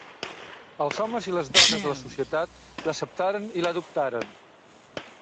Els homes i les dones de la societat l'acceptaren i l'adoptaren.